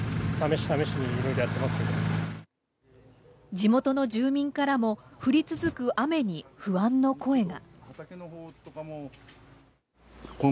地元の住民からも降り続く雨に不安の声が。